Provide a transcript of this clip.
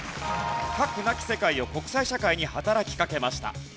核なき世界を国際社会に働きかけました。